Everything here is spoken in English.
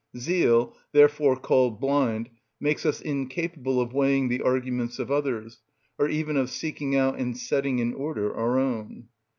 Zeal, therefore called blind, makes us incapable of weighing the arguments of others, or even of seeking out and setting in order our own.